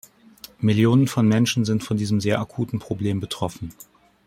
Millionen von Menschen sind von diesem sehr akuten Problem betroffen.